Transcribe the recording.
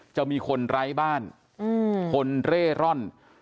จะมีคนไร้บ้านคนเร่ร่อน